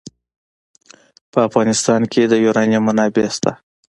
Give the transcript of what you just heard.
په افغانستان کې د یورانیم منابع شته.